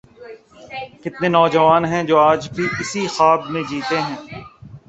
کتنے نوجوان ہیں جو آج بھی اسی خواب میں جیتے ہیں۔